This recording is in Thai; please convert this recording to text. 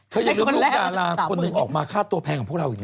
อย่าลืมลูกดาราคนหนึ่งออกมาค่าตัวแพงของพวกเราอีกนะ